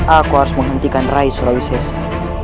aku harus menghentikan rai sulawesi